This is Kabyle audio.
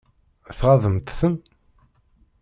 Tɣaḍemt-ten?